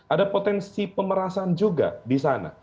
ada potensi pemerasan juga di sana